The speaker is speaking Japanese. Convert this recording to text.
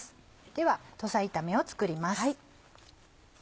では土佐炒めを作ります。